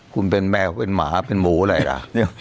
คุณเป็นแมวเป็นหมาเป็นหมูอะไรล่ะ